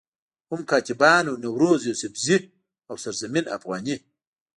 هم کاتبانو نوروز يوسفزئ، او سرزمين افغاني